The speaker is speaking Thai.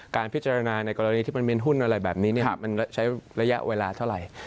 การพิจารณาในกรณีที่มีเป็นหุ้นอะไรใช้ระยะเวลาเท่าไหร่